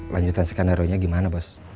lanjutan skenario nya gimana bos